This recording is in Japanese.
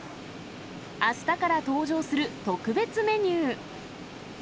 あしたから登場する特別メニ